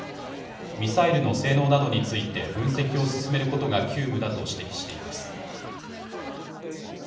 ミサイルの性能などについて分析を進めることが急務だと指摘しています。